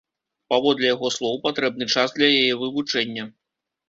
Паводле яго слоў, патрэбны час для яе вывучэння.